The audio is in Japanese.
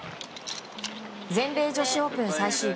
全英女子オープン最終日。